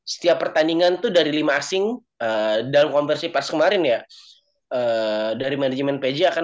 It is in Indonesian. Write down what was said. setiap pertandingan tuh dari lima asing dalam konversi pas kemarin ya dari manajemen pj akan